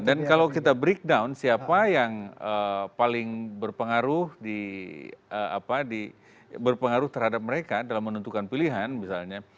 dan kalau kita breakdown siapa yang paling berpengaruh di apa di berpengaruh terhadap mereka dalam menentukan pilihan misalnya